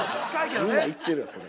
◆みんな行ってるわ、それ。